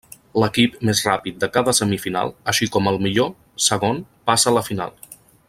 L'equip més ràpid de cada semifinal, així com el millor segon passa a la final.